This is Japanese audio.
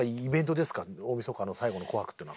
大みそかの最後の「紅白」というのは。